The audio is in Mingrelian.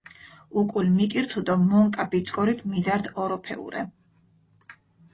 უკულ მიკირთჷ დო მონკა ბიწკორით მიდართ ოროფეჸურე.